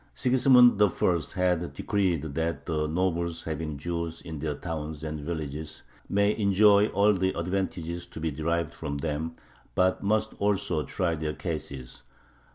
Sigismund I. had decreed that "the nobles having Jews in their towns and villages may enjoy all the advantages to be derived from them, but must also try their cases.